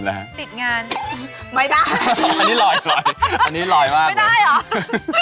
เดินเข้ามานั่งที่บอกข้างคุณ